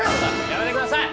やめてください！